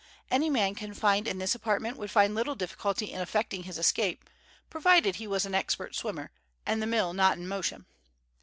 Any man confined in this apartment would find little difficulty in effecting his escape, provided he was an expert swimmer, and the mill not in motion.